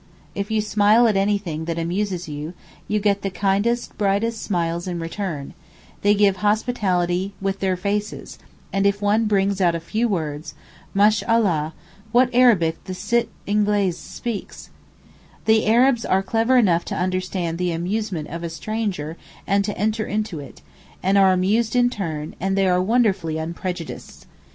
If you smile at anything that amuses you, you get the kindest, brightest smiles in return; they give hospitality with their faces, and if one brings out a few words, 'Mashallah! what Arabic the Sitt Ingleez speaks.' The Arabs are clever enough to understand the amusement of a stranger and to enter into it, and are amused in turn, and they are wonderfully unprejudiced.